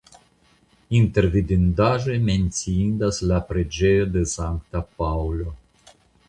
Inter vidindaĵoj menciindas la preĝejo de Sankta Paŭlo.